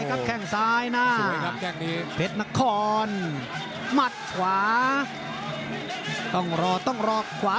หยุดจอสวนซ้ายวงไหนตีดที่เขาขวา